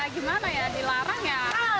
gimana ya dilarang ya